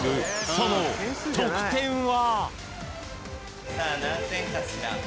その得点は？